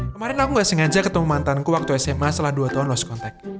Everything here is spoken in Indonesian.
kemarin aku gak sengaja ketemu mantanku waktu sma setelah dua tahun lost contact